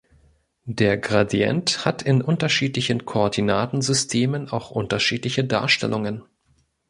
Der Gradient hat in unterschiedlichen Koordinatensystemen auch unterschiedliche Darstellungen.